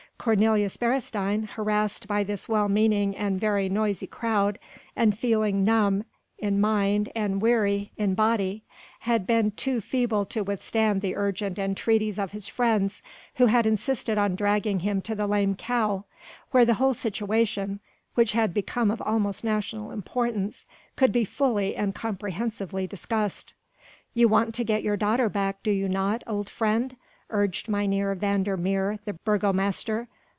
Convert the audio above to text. Cornelius Beresteyn, harassed by this well meaning and very noisy crowd and feeling numb in mind and weary in body, had been too feeble to withstand the urgent entreaties of his friends who had insisted on dragging him to the "Lame Cow," where the whole situation which had become of almost national importance could be fully and comprehensively discussed. "You want to get your daughter back, do you not, old friend?" urged Mynheer van der Meer the burgomaster.